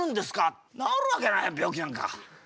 治るわけない病気なんか。